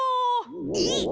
えっ！